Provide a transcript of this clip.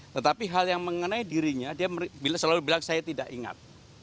tetapi hal yang mengenai dirinya dia selalu bilang saya tidak ingat